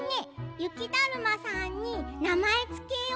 ゆきだるまさんになまえつけよう。